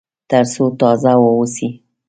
تر څو تازه واوسي.